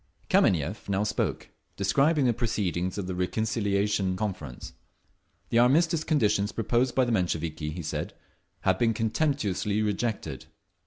Kameniev now spoke, describing the proceedings of the reconciliation conference. The armistice conditions proposed by the Mensheviki, he said, had been contemptuously rejected.